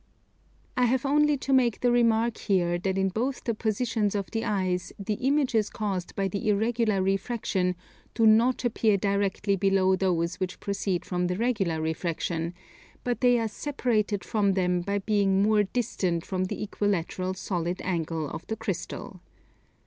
I have only to make the remark here that in both the positions of the eyes the images caused by the irregular refraction do not appear directly below those which proceed from the regular refraction, but they are separated from them by being more distant from the equilateral solid angle of the Crystal.